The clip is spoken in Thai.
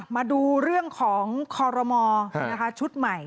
มาดูเรื่องของคอรมอชุดใหม่